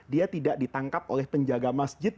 dia tidak ditangkap oleh penjaga masjid